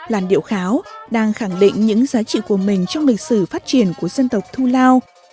làn điệu khéo đang khẳng định những giá trị của mình trong lịch sử phát triển của dân tộc thu lao